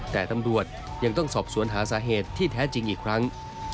แต่ตำรวจยังต้องสอบสวนหาสาเหตุที่แท้จริงอีกครั้ง